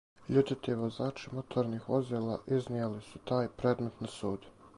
Љутити возачи моторних возила изнијели су тај предмет на суд.